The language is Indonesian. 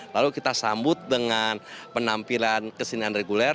lalu kita sambut dengan penampilan kesenian reguler